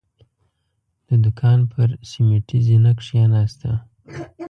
د دوکان پر سيميټي زينه کېناسته.